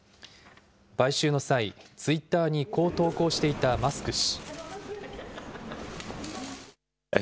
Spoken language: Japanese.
買収の際、ツイッターにこう投稿していたマスク氏。